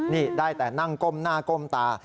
นี่ได้แต่นั่งก้มหน้าก้มตา